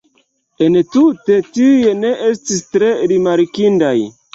Entute, tiuj ne estis tre rimarkindaj.